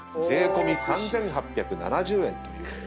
税込み３，８７０円という。